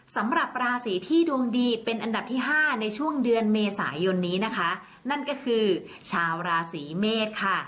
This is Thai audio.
สำหรับราศีที่ดวงดีเป็นอันดับที่ห้าในช่วงเดือนเมษายนนี้นะคะนั่นก็คือชาวราศีเมษค่ะ